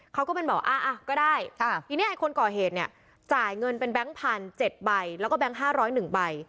เขาก็เป็นบอกก็ได้ทีนี้ไอ้คนก่อเหตุเนี่ยจ่ายเงินเป็นแบงค์พัน๗ใบแล้วก็แบงค์๕๐๑ใบ